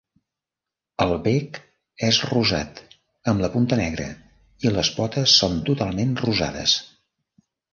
El bec és rosat amb la punta negra, i les potes són totalment rosades.